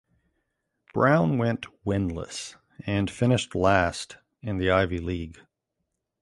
Brown went winless and finished last in the Ivy League.